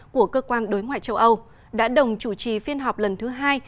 của cơ quan đối ngoại châu âu đã đồng chủ trì phiên họp lần thứ hai